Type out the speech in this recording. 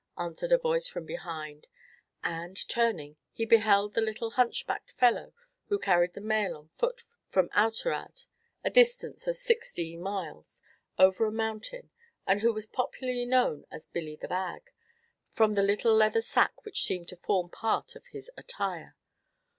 answered a voice from behind, and, turning, he beheld the little hunchbacked fellow who carried the mail on foot from Oughterard, a distance of sixteen miles, over a mountain, and who was popularly known as "Billy the Bag," from the little leather sack which seemed to form part of his attire.